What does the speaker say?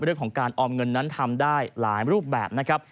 เรื่องของการออมเงินนั้นทำได้หลายรูปแบบนะครับ